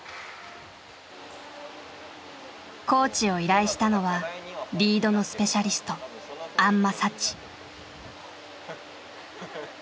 コーチを依頼したのはリードのスペシャリスト安間佐千。